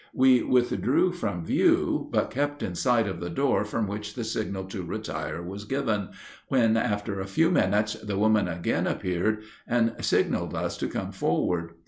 We withdrew from view, but kept in sight of the door from which the signal to retire was given, when after a few minutes the woman again appeared and signaled us to come forward.